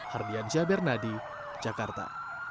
hardian syabernadi jakarta